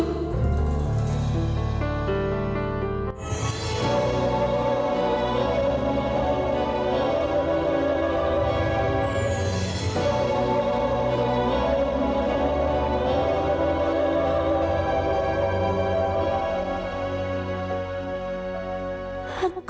aku tidak bisa menangis